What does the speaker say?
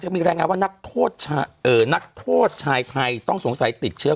จะมีแรงงานว่านักโทษชายนักโทษชายไทยต้องสงสัยติดเชื้อ